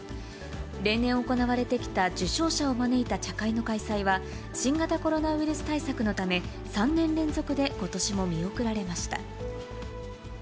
例年、行われてきた受章者を招いた茶会の開催は、新型コロナウイルス対策のため、３年連続で、ことしも見送られました。